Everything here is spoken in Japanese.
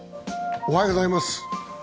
おはようございます。